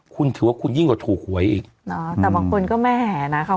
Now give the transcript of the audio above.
คุณถือว่าคุณยิ่งกว่าถูกหวยอีกหรอแต่บางคนก็แหมนะคะ